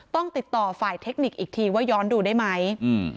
ต้องติดต่อฝ่ายเทคนิคอีกทีว่าย้อนดูได้ไหมอืม